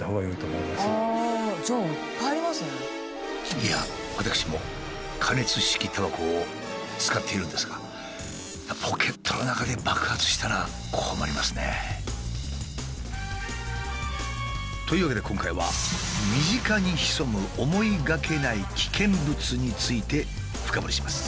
いやあ私も加熱式タバコを使っているんですがポケットの中で爆発したら困りますね。というわけで今回はについて深掘りします。